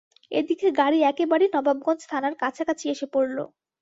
এদিকে গাড়ি একেবারে নবাবগঞ্জ থানার কাছাকাছি এসে পড়ল।